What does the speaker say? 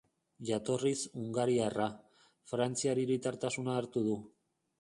Jatorriz hungariarra, frantziar hiritartasuna hartu du.